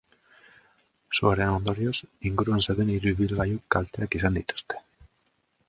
Suaren ondorioz, inguruan zeuden hiru ibilgailuk kalteak izan dituzte.